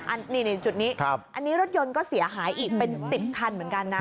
อันนี้จุดนี้อันนี้รถยนต์ก็เสียหายอีกเป็น๑๐คันเหมือนกันนะ